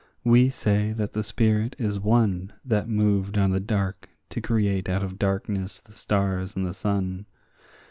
we say the spirit is one That moved on the dark to create out of darkness the stars and the sun.